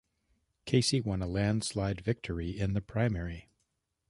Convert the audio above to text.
Casey won a landslide victory in the primary.